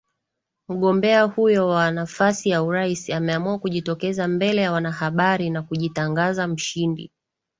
mgombea huyo wa nafasi ya urais ameamua kujitokeza mbele ya wanahabari na kujitangaza mshindi